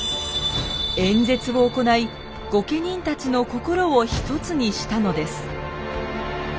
演説を行い御家人たちの心をひとつにしたのです。